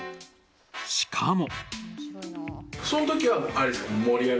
しかも。